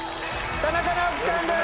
田中直樹さんです！